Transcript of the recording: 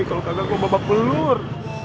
kalo kagak gua babak pelur